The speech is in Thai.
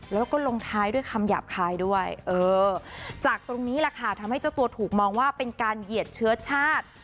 แล้วก็ลงท้ายด้วยคำหยาบคายด้วยเออจากตรงนี้แหละค่ะทำให้เจ้าตัวถูกมองว่าเป็นการเหยียดเชื้อชาติ